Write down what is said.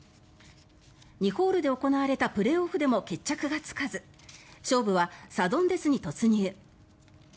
２ホールで行われたプレーオフでも決着がつかず勝負はサドンデスに突入。